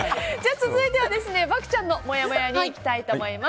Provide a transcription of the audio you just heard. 続いては漠ちゃんのもやもやにいきたいと思います。